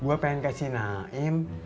gue pengen kasih naim